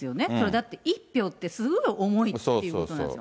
だって一票だってすごい重いってことなんです。